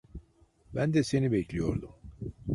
Ben de seni bekliyordum.